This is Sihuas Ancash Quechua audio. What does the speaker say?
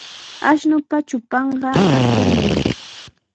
Ashnupa trupanqa hatunmi.